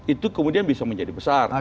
itu kemudian bisa menjadi besar